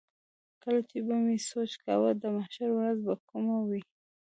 کله چې به مې سوچ کاوه د محشر ورځ به کومه وي.